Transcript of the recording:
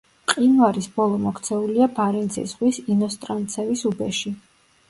მყინვარის ბოლო მოქცეულია ბარენცის ზღვის ინოსტრანცევის უბეში.